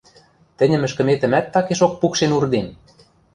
Тӹньӹм ӹшкӹметӹмӓт такешок пукшен урдем!